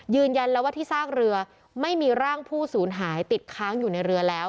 ยืนยันแล้วว่าที่ซากเรือไม่มีร่างผู้สูญหายติดค้างอยู่ในเรือแล้ว